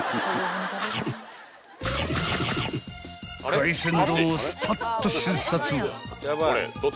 ［海鮮丼をスパッと瞬殺］